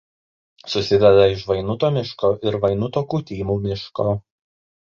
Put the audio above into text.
Susideda iš Vainuto miško ir Vainuto–Kūtymų miško.